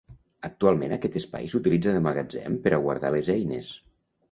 Actualment aquest espai s’utilitza de magatzem per a guardar les eines.